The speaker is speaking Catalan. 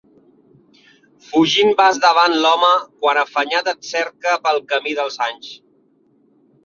Fugint vas davant l'home quan afanyat et cerca pel camí dels anys.